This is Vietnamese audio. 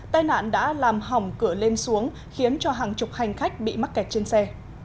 tai nạn đã làm hỏng cửa lên xuống khiến cho hàng chục hành khách bị mắc kẹt trên xe